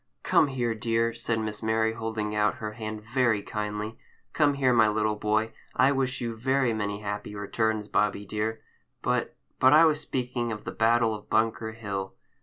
"Come here, dear!" said Miss Mary, holding out her hand very kindly. "Come here, my little boy. I wish you very many happy returns, Bobby dear! but—but I was speaking of the battle of Bunker Hill."